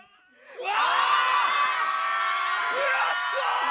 うわ！